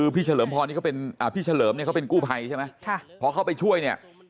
พี่เฉลิมพอเป็นกู้ไพพอเขาไปช่วยเนี่ย